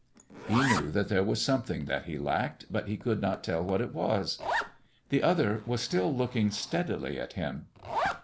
He knew that there was something that he lacked, but he could not tell what it was. The Other was still looking steadily at him.